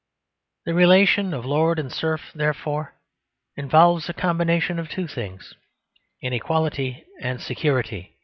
The relation of lord and serf, therefore, involves a combination of two things: inequality and security.